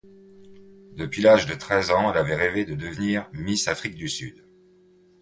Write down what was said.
Depuis l'âge de treize ans, elle avait rêver de devenir Miss Afrique du Sud.